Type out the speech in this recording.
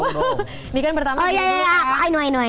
wow noh wajasin ya kan pertama gini dulu ih prabu lebih tau loh